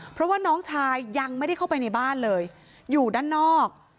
เพราะว่าน้องชายยังไม่ได้เข้าไปในบ้านเลยอยู่ด้านนอก